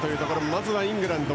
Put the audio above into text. まずイングランド。